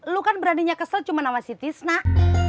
lu kan beraninya kesel cuma sama si tisnak